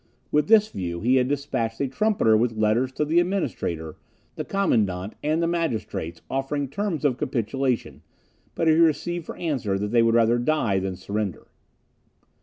With this view, he had despatched a trumpeter with letters to the Administrator, the commandant, and the magistrates, offering terms of capitulation; but he received for answer, that they would rather die than surrender.